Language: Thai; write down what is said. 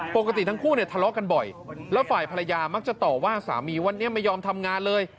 ปกติทั้งคู่เนี่ยทะเลาะกันบ่อยแล้วฝ่ายภรรยามักจะต่อว่าสามีวันนี้ไม่ยอมทำงานเลย